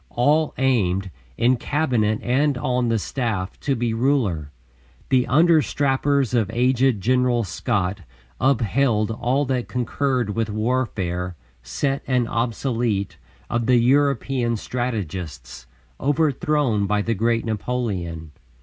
All aimed, in Cabinet and on the staff, to be ruler. The understrappers of aged General Scott upheld all that concurred with warfare, set and obsolete, of the European strategists, overthrown by the great Napoleon.